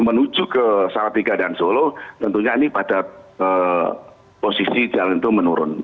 menuju ke salatiga dan solo tentunya ini pada posisi jalan itu menurun